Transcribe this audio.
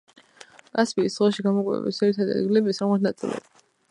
კასპიის ზღვაში გამოკვების ძირითადი ადგილებია სამხრეთი ნაწილები.